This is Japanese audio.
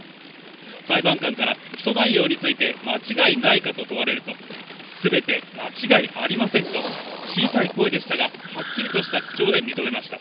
裁判官から起訴内容について間違いないかと問われると、全て間違いありませんと小さい声でしたが、はっきりとした口調で認めました。